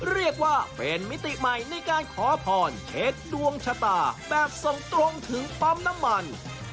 เรียกว่าเป็นมิติใหม่ในการขอพรเช็คดวงชะตาแบบส่งตรงถึงปั๊มน้ำมัน